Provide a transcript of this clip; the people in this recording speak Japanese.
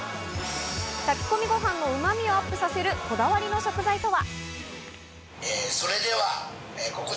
炊き込みご飯のうまみをアップさせるこだわりの食材とは？